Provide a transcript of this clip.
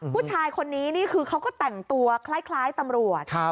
ผู้ชายคนนี้นี่คือเขาก็แต่งตัวคล้ายตำรวจ